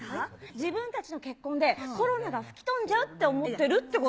自分たちの結婚で、コロナが吹き飛んじゃうって思ってるってこと？